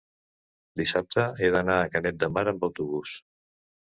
dissabte he d'anar a Canet de Mar amb autobús.